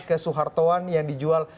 ke suhartoan yang dijual